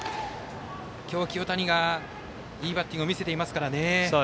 今日、清谷がいいバッティングを見せていますからね。